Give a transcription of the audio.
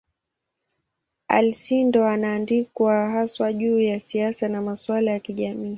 Alcindor anaandikwa haswa juu ya siasa na masuala ya kijamii.